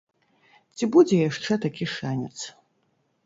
Ці будзе яшчэ такі шанец.